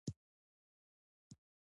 په حقیقت کې د حقوقو دا پنځه کټګورۍ مهمې دي.